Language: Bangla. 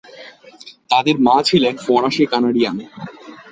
তাদের মা ছিলেন ফরাসি কানাডিয়ান।